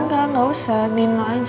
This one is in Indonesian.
udah gak usah nino aja